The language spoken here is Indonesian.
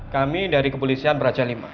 kami dari kepolisian praca lima